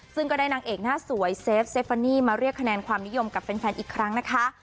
ซึ่งก็ได้นางเอกหน้าสวยเซฟเซฟฟานีมาเรียกคะแนนความนิยมกับแฟนอีกครั้งนะคะ